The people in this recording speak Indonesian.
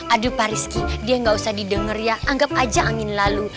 aduh pariski dia gak usah didengar ya anggap aja angin lalu